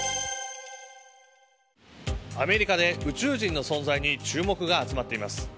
アメリカで宇宙人の存在に注目が集まっています。